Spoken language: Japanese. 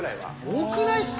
多くないですか？